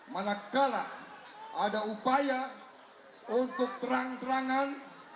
mana kalah ada upaya untuk terang terangan